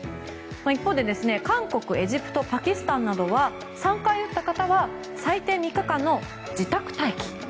一方で、韓国、エジプトパキスタンなどは３回打った方は最低３日間の自宅待機。